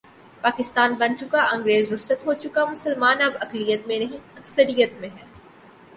پاکستان بن چکا انگریز رخصت ہو چکا مسلمان اب اقلیت میں نہیں، اکثریت میں ہیں۔